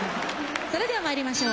それでは参りましょう。